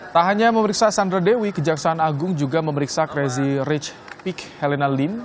tak hanya memeriksa sandra dewi kejaksaan agung juga memeriksa crazy rich pick helena lin